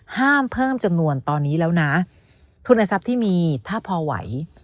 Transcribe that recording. ห้ามเพิ่มจำนวนตอนนี้แล้วนะทุนทรัพย์ที่มีถ้าพอไหว